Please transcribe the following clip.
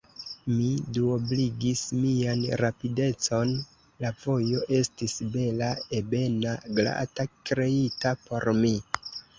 Mi duobligis mian rapidecon: la vojo estis bela, ebena, glata, kreita por mi.